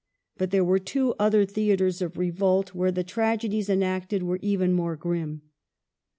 But there were two other theatres of revolt where the tragedies enacted were even more grim.